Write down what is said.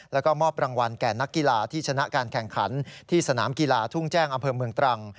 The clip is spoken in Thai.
แล้วก็มอบรางวัลแก่นักกีฬาที่ชนะการแข่งขันที่สนามกีฬาทุ่งแจ้งอำเภอเมืองตรัง